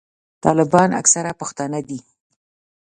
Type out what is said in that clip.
طالبان اکثره پښتانه دي.